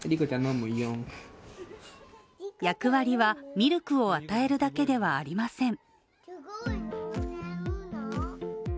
役割は、ミルクを与えるだけではありません。